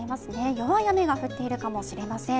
弱い雨が降っているかもしれません。